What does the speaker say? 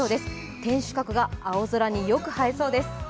天守閣が青空によく映えそうです。